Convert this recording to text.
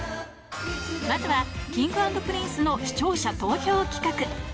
まずはＫｉｎｇ＆Ｐｒｉｎｃｅの視聴者投票企画。